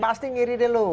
pasti ngiri deh lo